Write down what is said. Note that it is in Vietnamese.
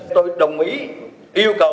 tôi đồng ý yêu cầu